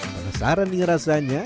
pembesaran dengan rasanya